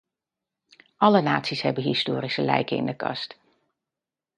Alle naties hebben historische lijken in de kast.